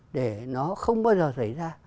để nó không bao giờ xảy ra